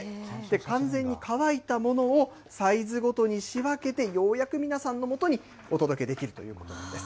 完全に乾いたものをサイズごとに仕分けて、ようやく皆さんのもとにお届けできるということなんです。